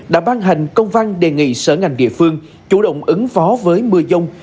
đã ban hành công văn đề nghị sở ngành địa phương chủ động ứng phó với mưa dông